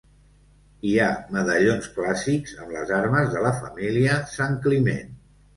Hi ha medallons clàssics amb les armes de la família Sant Climent.